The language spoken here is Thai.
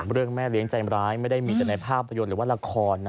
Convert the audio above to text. เรื่องแม่เลี้ยงใจร้ายไม่ได้มีแต่ในภาพประโยชน์หรือว่าราคอน